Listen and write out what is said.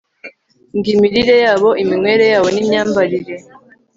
ngo imirire yabo iminywere yabo nimyambarire